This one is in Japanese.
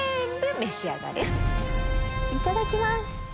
いただきます。